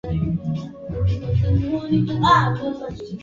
Akiptwa na mpinzani wake Daktari Salmin akipata asilimia hamsini nukta mbili nne